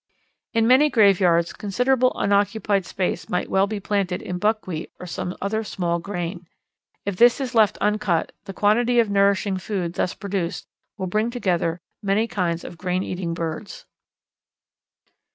In many graveyards considerable unoccupied space might well be planted in buckwheat or some other small grain. If this is left uncut the quantity of nourishing food thus produced will bring together many kinds of grain eating birds.